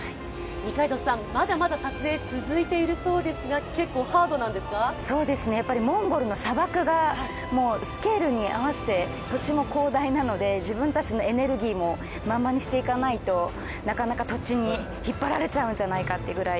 二階堂さん、まだまだ撮影続いているそうですがモンゴルの砂漠がスケールに合わせて土地も広大なので自分たちのエネルギーも満々にしていかないと、なかなか土地に引っ張られちゃうんじゃないかというぐらい。